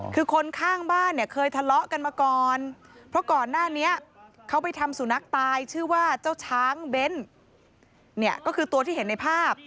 คือคนข้างบ้านเนี่ยเคยทะเลาะกันมาก่อนเพราะก่อนหน้านี้เขาไปทำสุนัขตายชื่อว่าเจ้าช้างเบ้นเนี่ยก็คือตัวที่เห็นในภาพ